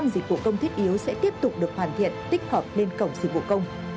năm dịch vụ công thiết yếu sẽ tiếp tục được hoàn thiện tích hợp lên cổng dịch vụ công